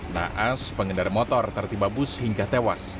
naas pengendara motor tertiba bus hingga tewas